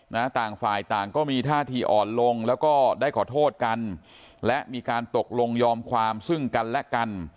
ต่างฝ่ายต่างก็มีท่าทีอ่อนลงแล้วก็ได้ขอโทษกันและมีการตกลงยอมความซึ่งกันและกัน